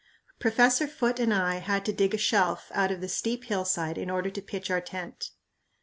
Professor Foote and I had to dig a shelf out of the steep hillside in order to pitch our tent.